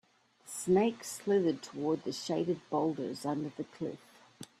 The snake slithered toward the shaded boulders under the cliff.